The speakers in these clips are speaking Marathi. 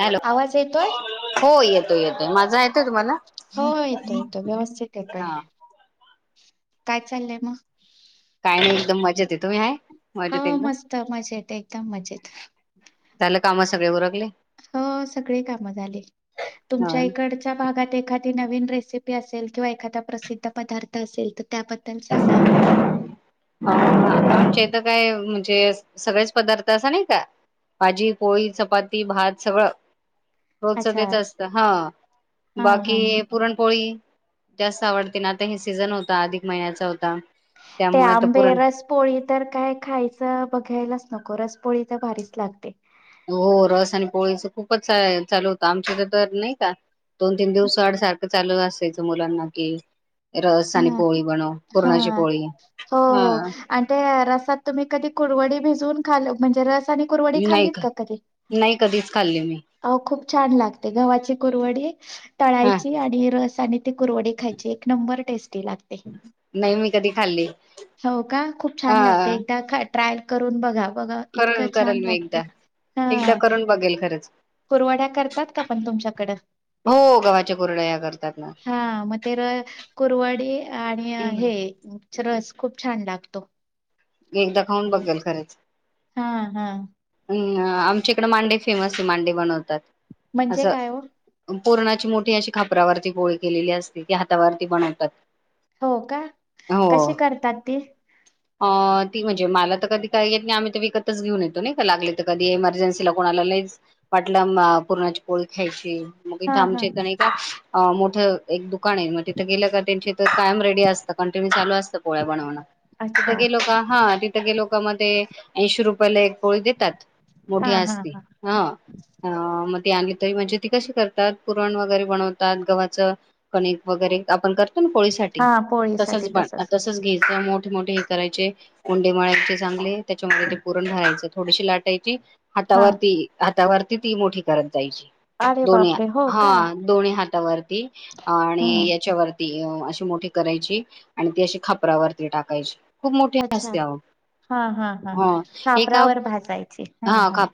हॅलो आवाज येतोय? हो येतो येतोय. माझा येतय तुम्हाला? हो येतो येतो व्यवस्थित येतोय. हा काय चाललंय मग? काय नाही एकदम मजेत. तुम्ही हाय मजेत हो एकदम? मस्त मजेत एकदम मजेत. त्याला कामात सगळे रखले हो सगळी काम झाली हो तुमच्या इकडच्या भागात एखादी नवीन रेसिपी असेल किंवा एखादा प्रसिद्ध पदार्थ असेल तर त्याबद्दल सांगा. आच्या इथ काय म्हणजे सगळेच पदार्थ असा नाही का भाजी पोळी चपाती भात सगळं रोजच अच्छा त्याच असत हा हा हा बाकी हा. पुरणपोळी जास्त आवडते ना आता हे सीझन होत आधी महिन्याचं ते आंबे रसपोळी तर काय खायचं बघायलाच. नको रसपोळी तर भारीच लागते. हो रस आणि पोळीच खूपच चालू होतं आमच्या तर तर नाही का. दोन तीन दिवस वाड सारखं चालू अस. मुलांना की ह हा पोळी हो हा हो आणि ते रसात तुम्ही कधी कुरवडी भिजवून खाल्लं म्हणजे रस रसकुरवडी खाल्लीत का कधी नाही कधीच खाल्ली मी खूप छान लागते गव्हाची कुरवडी हा तळायची आणि रसानी ते कुरवडे खायचे एक नंबर एस नाही मी कधी खाल्ली हो का खूप हा छान लागते एकदा खा ट्रायल करून बघा बघा इतकं करल छान करेल मी लागते. एकदा हा एकदा करून बघेल खरंच कुरवड्या करतात का पण तुमच्याकड, हो गव्हाच्या कुरडया करतात ना हा मग ते र कुरवाडी. आणि हेच रस खूप छान लागतो. एकदा खाऊन खायला. बघेल खरंच. हा हा. आमच्याकडे मांडे फेमस आहे मांडे बनव तात, म्हणजे असं. काय हो पुरणाची मोठी अशी खापरावरती गोळी केलेली असते ती हातावरती बनवतात. हो का, हो कशी करतात ती. अ, ती म्हणजे मला तर कधी काही येत नाही आम्ही तर विकतच घेऊन येतो ना का लागले तर कधी एमर्जन्सीला कोणाला लच वाटलं पुरणाची पोळी ख्यायची हाय. मग हा ईथ हा आमच्या हा नाय का अ मोठ एक दुकान आहे मग तिथं गेलं का त्यांची इथ कायम रेडी असत कंटिन्यू चालू असतं पोळ्या बनवं. अच्छा तिथं गेलो का हा तिथं गेलो. [unintelligible] ऐंशी रुपयाला एक पोळी देतात. हा मोठी हा असती. हा ह म ते आणली तय म्हणजे ती कशी करतात पुरण वगैरे बनवतात. गव्हाच कणिक वगैरे आपण कर पोळी साठी हा पोळीसाठी तसच ब तसच घे. मोठी मोठी. करायचे उंडे मळायचे चांगले त्याच्यामध्ये ते पुरण घालायचे थोडीशी लाटायची. हा हातावरती हातावर कीती मोठी करत. ताईची, अरे दोन् हात बापरे हो का हा दोनी हात. हातावरती. हा आणि याच्यावर ती अशी मोठी करायची आणि ती अशी खापरावरती टाकायची. खूप मोठी अच्छा! असते अहो हा हा हा ह एका कापरावर भासायची हा हा.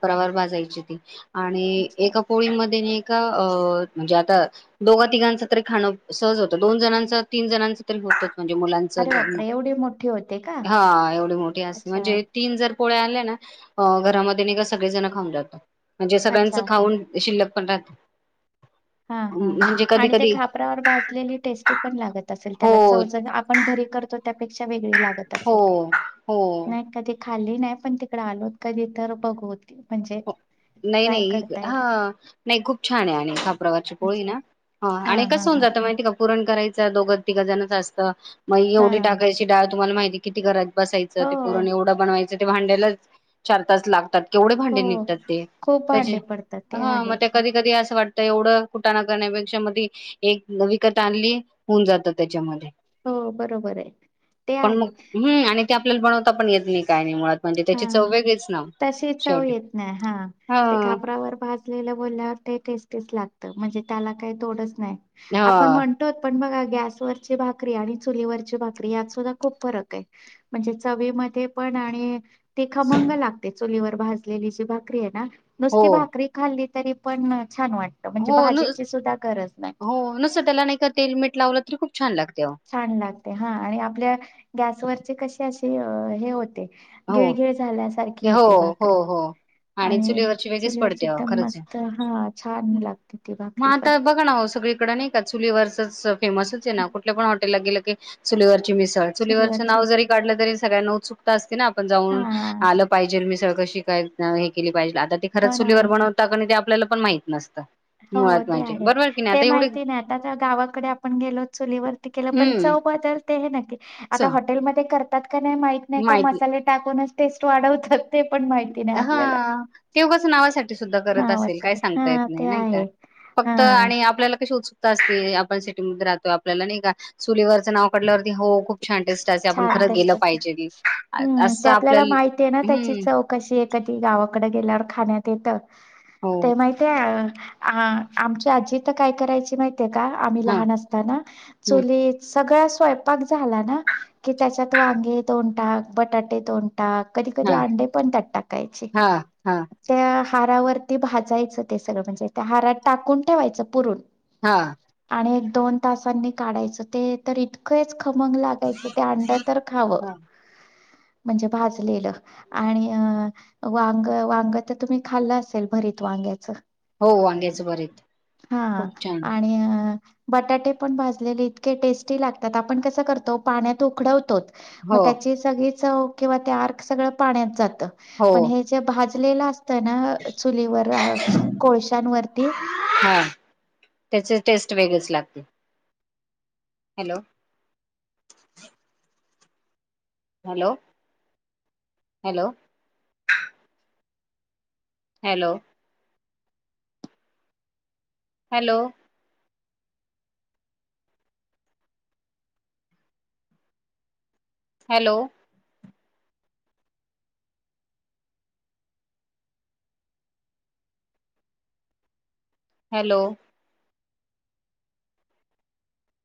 [unintelligible] आणि अच्छा एका पोळीमध्ये न एक का म्हणजे आता दोघ तिघांच तरी खाणं सहज होतं दोन जणांचा तीन जणांच तरी होतच. म्हणजे मुलांचं अरे जन्म. बापरे एवढी मोठी होते का हा एवढ मोठी असते अच्छा म्हणज तीन जण पोळ्या आल्याना, अ घरामध्ये निघा सगळे जण खाऊन जातात. म्हणजे सगळ्यांचं अच्छा खाऊन शिल्लक कोात हा हा आणि ते खापवर भालेली टेस्टी पण लागत असे त्या हो च आपण घरी करतो त्यापेक्षा व लात अस हो हो नाही क खाली नाही पण तिकड आलोत कधी तर बघू म्हणजे हो नाही ट्राय नाही करता येईल हा नाही खूप छान आहे आणि अच्छा कापरा हा आणि हा कस होऊन हा जात माहिती का परण कराच दोघ तिघ जणच असत मग एवढी हा टाकायची डळ तुम्हाला माहिती किती करा बसायं हो ते पुरण एवढं बनवायचं भांड्यालाच चार तास लागतात केवढे हो भांडे निघतात ते खूप भांडे पडतात ते आहे. वाटत एवढं कुटाणा करण्यापेक्षा मध्ये एक विकत आणली होऊन जातं त्याच्यामध्ये हो बरोबर आहे ते पण आहे. मग हम्म आणि ते आपल्याला बनवता पण येत नाही काय नाही मुळात म्हणजे त्याची चव हा वेगळीच ना तसे चव शेवटी येत नाही हा. ते हा खापरावर भाजलेलं बोलल्यावर ते टेस्टीच लागत म्हणजे त्याला काय तोडच नाही आपण हां, म्हणतो पण मग गॅसवरची भाकरी आणि चुलीवरची भाकरी यात सुद्धा खूप फरक आहे म्हणजे चवीमध्ये पण आणि ते खमंग लागतेच. चूलीवर भाजलेली जी भाकरी आहे ना हो, नुसती भाकरी खाल्ली तरी पण छान वाटतं म्हणजे हो भाजीची सुद्धा गरज नाही. हो नस त्याला नाही का तेल, मीठ लावलं. [inaudible] अहो. छान लागते हा आणि आपल्या गॅसवर ती कशी अशी हे हो हो, गिळघिळ झाल्यासारखी होते हो, भाकरी हो, हो आणि चुलीवरची वेगळीच चुलीवरची पडते अहो, एकदम खरंच आहे. मस्त हा छान लागते ती भाकरी पण कड नाही का चुली वरचच फेमसच आहे ना कुठल्या पण लगे लगे चुलीवर मिसळ चुली वरच चुलीवरची. नाव जरी काढल तरी सगळ्याना उत्सुकता असते ना पण हा जाऊन आल पाहिजे मिसळ पाशी हे काय हे केली पाहिजे आता तर ते हो खरच ना हो ना चुलीवर बनवता कणी ते आपल्याला पण माहित नस हो ते आहे ते एवढी माहिती नाही आता गावाकडे आपण गेलो चुलीवरती केल पण हं, चव बदलते हे नक्की आता च हॉटेलमध्ये नाही माहत नाही का माहिती मसाले टाकूनच टेस्ट वाढवतात. ते पण माहिती नाही हा आपल्याला. ते उगच नावासाठी ते सुद्धा करत असेल काही नावासाठी सांगता येत हा नाही ते नाही का आहे हा फक्त आणि आपल्याला कशी उत्सुक तेच की, आपण सिटीमध्ये राहतोय आपल्याला नाही का चुलीवरचं नाव काढल्यावर हो खूप छान टेस्ट असे आपण छान खर टेस्ट गेलं असते. पाहिजे, क हम्म ते असं आपल्याला माहिती आहे ना त्याची हम् चव कशी हाय एखादी गावाकडे गेल्यावर खाण्यात येतं. हो ते माहिती अ आमची आजी तर काय करायची माहिती ते का, आम्ही हा लहान असताना हम्म चुली सगळा स्वंयपाक झाला ना की त्याच्यात वांगे दोन टाक, बटाटे दोन हा कधी कधी हा अंडे पण त्यात टाकायचे हा हा त्या हारावरती भाजायचं ते सगळ, म्हणजे त्या हारात टाकून ठेवायचं पुरण. हा आणि एक दोन तासांनी काढायचं ते तर इतकंच, खमंग लागायच ते अंड तर खाव. हा म्हणजे भाजलेलं आणि वांग वांग तर तुम्ही खाल्लं असेल भरीत वांग्याच, हो, वांग्याचं भरीत हा खूप छान आणि अ बटाटे पण भाजलेले इतके टेस्टी लागतात आपण कस कसं करतो पाण्यात उकडवतोत. मग हो त्याची सगळी चव किंवा ते आर्क सगळ पाण्यात जात. हो पण हे भाज लेला अस तना चुलीवर कोळशांनवरती हा त्याची टेस्ट वेगळीच लागते. Hello hello, hello hello hello hello hello